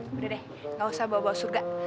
udah deh gak usah bawa bawa surga